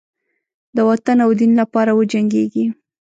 د وطن او دین لپاره وجنګیږي.